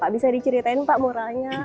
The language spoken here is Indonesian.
bisa diceritakan pak muralnya